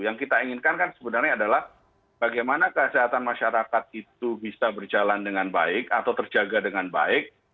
yang kita inginkan kan sebenarnya adalah bagaimana kesehatan masyarakat itu bisa berjalan dengan baik atau terjaga dengan baik